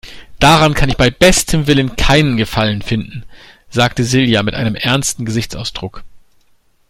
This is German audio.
Daran kann ich beim besten Willen keinen Gefallen finden, sagte Silja mit einem ernsten Gesichtsausdruck.